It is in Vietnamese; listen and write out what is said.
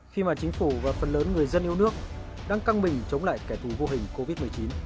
khi mà chính phủ và phần lớn người dân yêu nước đang căng mình chống lại kẻ thù vô hình covid một mươi chín